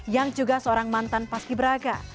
yang juga seorang mantan paski beraka